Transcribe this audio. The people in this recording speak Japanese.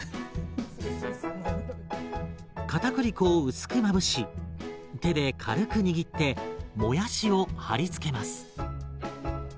かたくり粉を薄くまぶし手で軽く握ってもやしを貼り付けます。